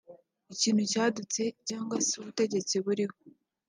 ikintu cyadutse cyangwa se ubutegetsi buriho